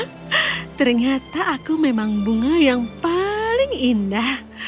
ternyata aku memang bunga yang paling indah